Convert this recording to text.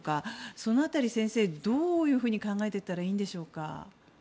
その辺り、先生どういうふうに考えていったらいいんでしょうか？